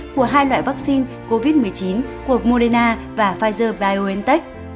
của hai loại vaccine covid một mươi chín của moderna và pfizer biontech